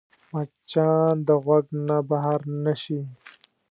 مچان د غوږ نه بهر نه شي